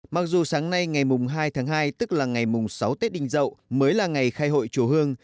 mặc dù sáng nay ngày hai tháng hai tức là ngày mùng sáu tết đinh dậu mới là ngày khai hội chùa hương